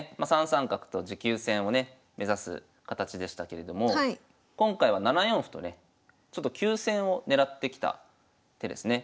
３三角と持久戦をね目指す形でしたけれども今回は７四歩とねちょっと急戦を狙ってきた手ですね。